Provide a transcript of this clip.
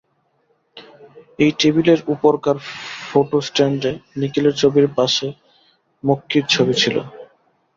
এই টেবিলের উপরকার ফোটো-স্ট্যাণ্ডে নিখিলের ছবির পাশে মক্ষীর ছবি ছিল।